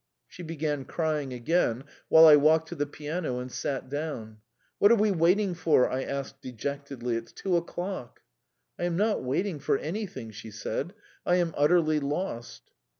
She began crying again, while I walked to the piano and sat down. "What are we waiting for?" I asked dejectedly. "It's two o'clock." "I am not waiting for anything," she said. "I am utterly lost."